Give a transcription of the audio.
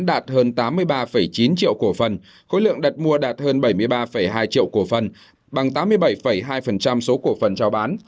đạt hơn tám mươi ba chín triệu cổ phần khối lượng đặt mua đạt hơn bảy mươi ba hai triệu cổ phần bằng tám mươi bảy hai số cổ phần trao bán